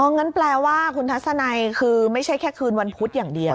งั้นแปลว่าคุณทัศนัยคือไม่ใช่แค่คืนวันพุธอย่างเดียว